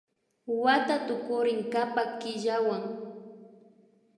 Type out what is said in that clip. Wata tukurin kapak killawan